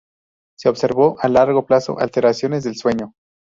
Se observó a largo plazo alteraciones del sueño.